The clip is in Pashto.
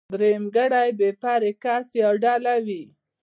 درېمګړی بې پرې کس يا ډله وي.